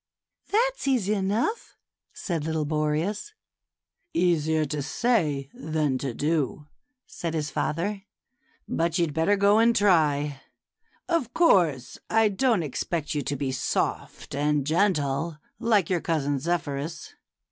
"That's easy enough," said little Boreas. " Easier to say than to do," said his father ;" but you'd better go and try. Of course I don't expect you to be soft and gentle, like your cousin Zephyrus.